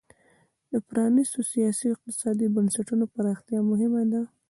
د پرانیستو سیاسي او اقتصادي بنسټونو پراختیا مهمه ده.